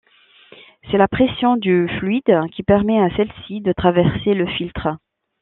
C'est la pression du fluide qui permet à celui-ci de traverser le filtre.